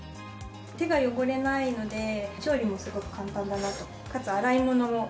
手が汚れないので、調理もすごく簡単だなと。